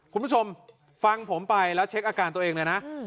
คุณผู้ชมฟังผมไปแล้วเช็คอาการตัวเองเลยนะ